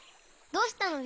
どうしたの？